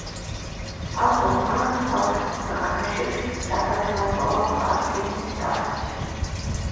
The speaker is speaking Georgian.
ალბომმა სხვადასხვა ქვეყანაში სწრაფად მოიპოვა პლატინის სტატუსი.